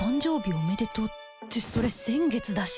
おめでとうってそれ先月だし